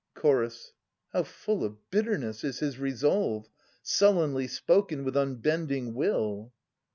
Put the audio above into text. Ch. How full of bitterness is his resolve. Sullenly spoken with unbending will